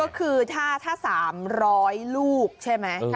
ก็คือถ้า๓๐๐ลูกใช่ไหม